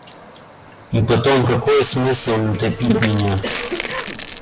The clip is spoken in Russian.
И потом, какой смысл им топить меня?